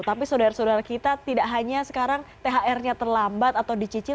tapi saudara saudara kita tidak hanya sekarang thr nya terlambat atau dicicil